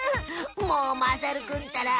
もうまさるくんったら！